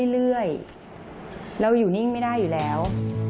เรื่อยเราอยู่นิ่งไม่ได้อยู่แล้ว